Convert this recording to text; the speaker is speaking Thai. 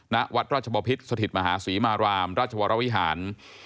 ณวัดราชบพิษสถิตมหาศรีมารามราชวรวิหาร